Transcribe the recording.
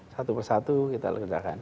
satu persatu kita kerjakan